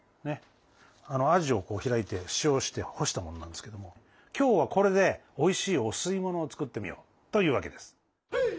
アジを開いて塩して干したものなんですけども今日はこれでおいしいお吸い物を作ってみようというわけです。